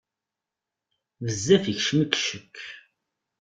Bezzaf ikeččem-ik ccekk.